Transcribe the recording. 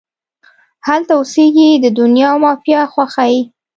هلته اوسیږې د دنیا او مافیها خوښۍ